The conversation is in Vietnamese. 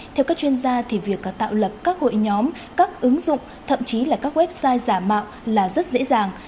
theo các chuyên gia việc tạo lập các hội nhóm các ứng dụng thậm chí là các website giả mạo là rất dễ dàng